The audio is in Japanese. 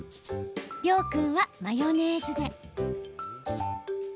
涼君はマヨネーズで。